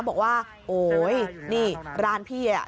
บอกว่าโอ๊ยนี่ร้านพี่อ่ะ